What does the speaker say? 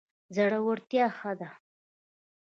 زړورتیا ښه ده.